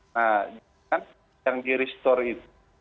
nah jangan yang di restore itu